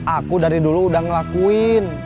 aku dari dulu udah ngelakuin